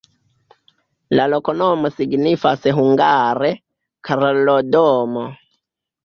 La loknomo signifas hungare: Karlo-domo.